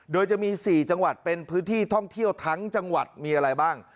โดยจะมี๔จังหวัดเป็นพื้นที่ท่องเที่ยวทั้งจังหวัดมีอะไรบ้าง